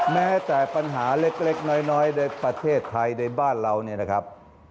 แม้แต่ปัญหาเล็กน้อยในประเทศไทยในบ้านเราเนี่ยนะครับ